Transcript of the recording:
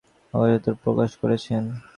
তিনি আর দায়িত্বভার চালাতে অপারগতা প্রকাশ করেছেন।